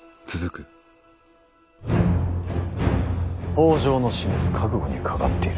北条の示す覚悟にかかっている。